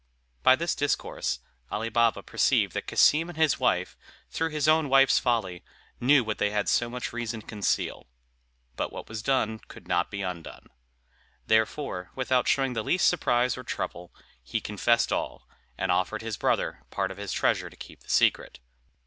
By this discourse, Ali Baba perceived that Cassim and his wife, through his own wife's folly, knew what they had so much reason to conceal; but what was done could not be undone. Therefore, without showing the least surprise or trouble, he confessed all, and offered his brother part of his treasure to keep the secret.